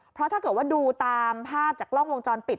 เพราะถ้าเกิดว่าดูตามภาพจากกล้องวงจรปิด